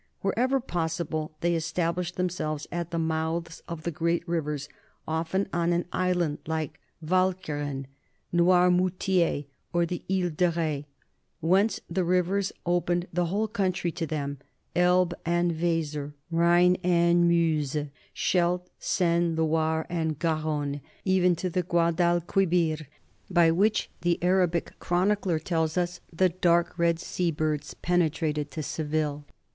Wherever possible they established themselves at the mouths of the great rivers, often on an island like Walcheren, Noirmoutier, or the He de Rh6, whence the rivers opened the whole country to them Elbe and Weser, Rhine and Meuse, Scheldt, Seine, Loire, and Garonne, even to the Guadalquivir, by which the Arabic chronicler tells us the "dark red sea birds" penetrated to Seville.